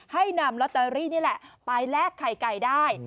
ให้นำลอตเตอรี่นี่แหละไปแลกไข่ไก่ได้